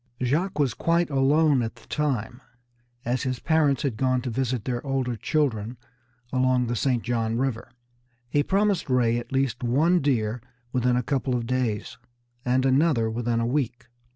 Jacques was quite alone at the time, as his parents had gone to visit their older children along the St. John River. He promised Ray at least one deer within a couple of days, and another within a week.